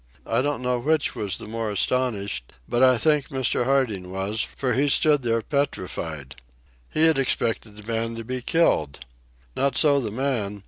I don't know which was the more astonished, but I think Mr. Harding was, for he stood there petrified. He had expected the man to be killed. Not so the man.